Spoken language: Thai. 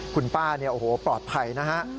คุณป้าโอ้โฮปลอดภัยนะฮะ